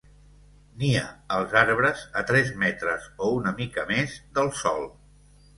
Nia als arbres, a tres metres o una mica més del sòl.